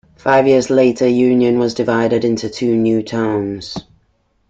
Five years later Union was divided into two new towns.